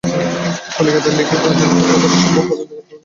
কলিকাতায় লিখে দাও, যেন তারা যতটা সম্ভব উপাদান যোগাড় করে তাঁকে পাঠায়।